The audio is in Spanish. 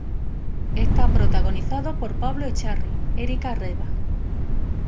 Está protagonizado por Pablo Echarri, Érica Rivas.